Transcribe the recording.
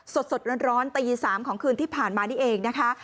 สดร้อนตี๓ของคืนที่ผ่านมานี่เองนะคะ